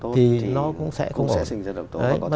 thì nó cũng sẽ không ổn